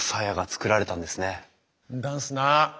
んだすな。